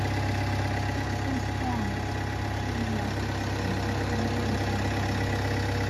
Dixon's aunt, Sheila Dixon, was the mayor of Baltimore.